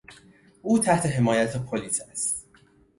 او تحت حمایت پلیس است.